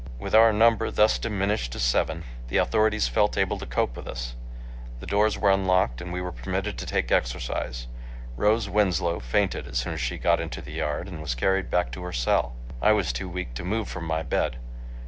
With our number thus diminished to seven, the authorities felt able to cope with us. The doors were unlocked and we were permitted to take exercise. Rose Winslow fainted as soon as she got into the yard, and was carried back to her cell. I was too weak to move from my bed.